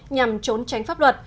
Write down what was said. nhằm trốn tránh pháp luật